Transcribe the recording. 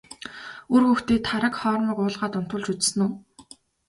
Үр хүүхдээ тараг хоормог уулгаад унтуулж үзсэн үү?